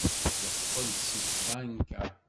Yeqqel-d seg tbanka.